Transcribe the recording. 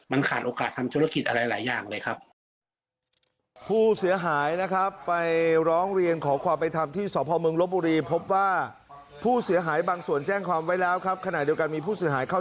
มันขาดโอกาสทำธุรกิจอะไรหลายอย่างเลยครับ